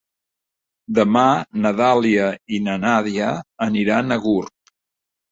Demà na Dàlia i na Nàdia aniran a Gurb.